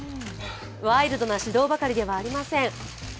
ワイルドな指導ばかりではありません。